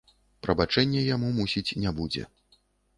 Прабачэння яму, мусіць, не будзе.